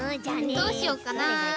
どうしようかな？